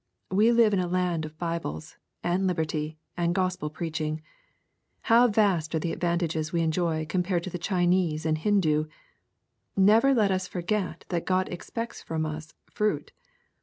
We live in a land of Bibles, and liberty, and Gospel preaching. How vast are the advantages we enjoy com pared to the Chinese and Hindoo 1 Never let us forget that God expects from us " fruit."